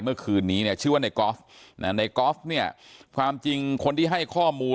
เมื่อคืนนี้เนี่ยชื่อว่าในกอล์ฟในกอล์ฟเนี่ยความจริงคนที่ให้ข้อมูล